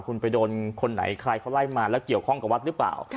คุณไปโดนคนไหนใครเขาไล่มาแล้วเกี่ยวข้องกับวัดหรือเปล่า